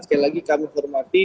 sekali lagi kami hormati